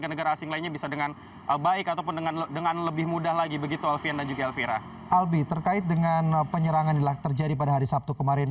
albi terkait dengan penyerangan yang terjadi pada hari sabtu kemarin